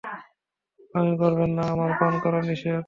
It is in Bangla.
বোকামি করবেন না, আপনার পান করা নিষেধ।